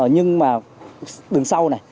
nhưng mà đường sau này